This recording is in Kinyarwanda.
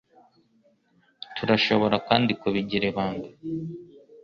Turashobora kandi kubigira ibanga.